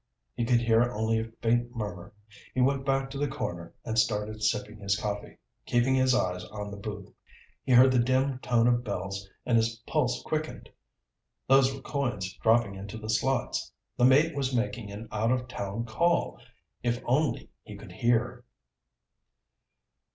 He could hear only a faint murmur. He went back to the counter and started sipping his coffee, keeping his eyes on the booth. He heard the dim tone of bells and his pulse quickened. Those were coins dropping into the slots. The mate was making an out of town call! If only he could hear!